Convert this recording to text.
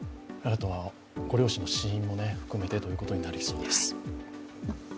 ご両親の死因も含めてということになりそうです。